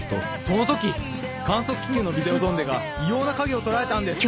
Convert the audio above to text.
その時観測気球のビデオゾンデが異様な影を捉えたんです！